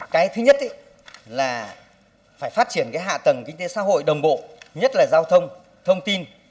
cái thứ nhất là phải phát triển cái hạ tầng kinh tế xã hội đồng bộ nhất là giao thông thông tin